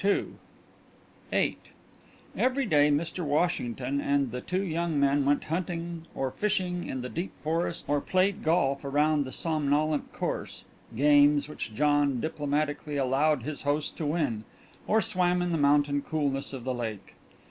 VIII Every day Mr. Washington and the two young men went hunting or fishing in the deep forests or played golf around the somnolent course games which John diplomatically allowed his host to win or swam in the mountain coolness of the lake.